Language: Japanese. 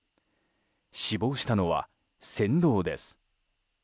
死亡したのは船頭です。